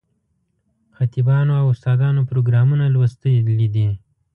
خطیبانو او استادانو پروګرامونه لوستلي دي.